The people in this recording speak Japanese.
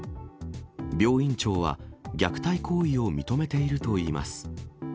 病院長は、虐待行為を認めているといいます。